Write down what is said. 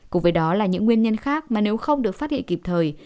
cùng với đó là những nguyên nhân khác mà nếu không được phát hiện kịp thời